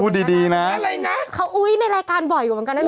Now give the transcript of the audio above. พูดดีนะอะไรนะอุ๊ยในรายการบ่อยกว่านั้นนะดี